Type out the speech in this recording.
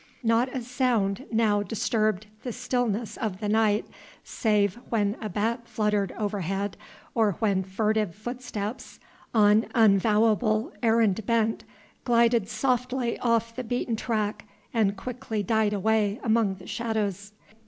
Not a sound now disturbed the stillness of the night save when a bat fluttered overhead, or when furtive footsteps on unavowable errand bent glided softly off the beaten track and quickly died away among the shadows.